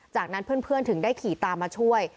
จากนั้นเพื่อนถึงได้ขี่ตามมาช่วย